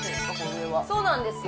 上はそうなんですよ